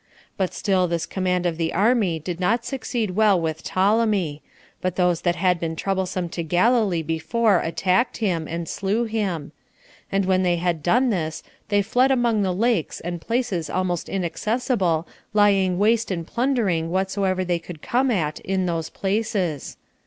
But still this command of the army did not succeed well with Ptolemy, but those that had been troublesome to Galilee before attacked him, and slew him; and when they had done this, they fled among the lakes and places almost inaccessible laying waste and plundering whatsoever they could come at in those places.